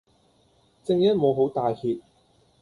正一無好帶挈